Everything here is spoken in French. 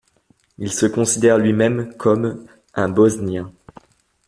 Il se considère lui-même comme un Bosnien.